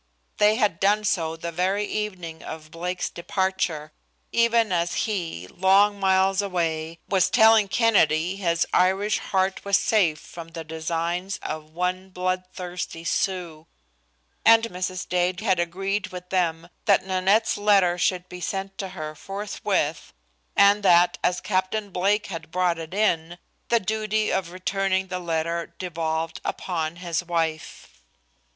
They had done so the very evening of Blake's departure, even as he, long miles away, was telling Kennedy his Irish heart was safe from the designs of one blood thirsty Sioux; and Mrs. Dade had agreed with them that Nanette's letter should be sent to her forthwith, and that, as Captain Blake had brought it in, the duty of returning the letter devolved upon his wife.